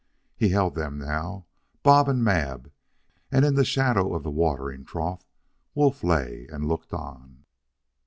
He held them now, Bob and Mab, and in the shadow of the watering trough Wolf lay and looked on.